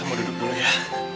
kamu duduk dulu ya